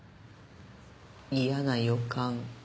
嫌な予感。